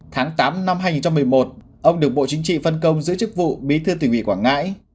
tháng tám năm hai nghìn một mươi một ông được bộ chính trị phân công giữ chức vụ bí thư tỉnh ủy quảng ngãi